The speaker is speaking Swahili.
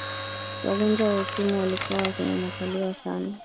wagonjwa wa ukimwi walikuwa wakinyanyapaliwa sana